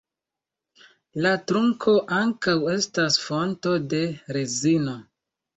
La trunko ankaŭ estas fonto de rezino.